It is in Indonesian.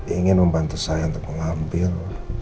ingin membantu saya untuk mengambil